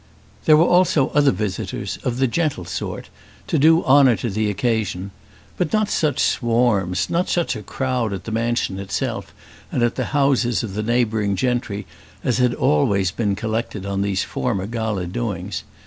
There were also other visitors, of the gentle sort, to do honour to the occasion; but not such swarms, not such a crowd at the mansion itself and at the houses of the neighbouring gentry as had always been collected on these former gala doings.